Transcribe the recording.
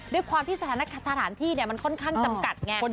ด้วยความที่สถานที่มันค่อนข้างจำกัดไง